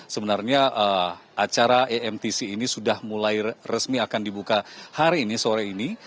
sebenarnya acara emtc ini sudah mulai resmi akan dibuka hari ini sore ini